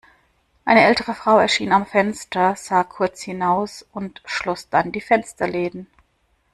Eine ältere Frau erschien am Fenster, sah kurz hinaus und schloss dann die Fensterläden.